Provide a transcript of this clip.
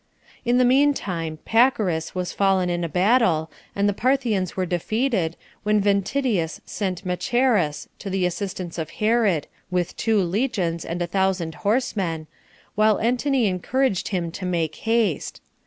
7. In the mean time, Pacorus was fallen in a battle, and the Parthians were defeated, when Ventidius sent Macheras to the assistance of Herod, with two legions, and a thousand horsemen, while Antony encouraged him to make haste.